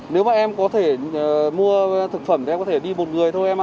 nếu mà em có thể mua thực phẩm thì em có thể đi một người thôi em ạ